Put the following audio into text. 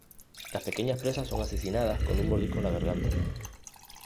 Las pequeñas presas son asesinadas con un mordisco en la garganta.